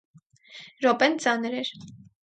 Րոպեն ծանր էր.